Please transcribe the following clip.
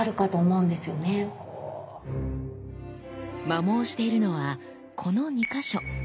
摩耗しているのはこの２か所。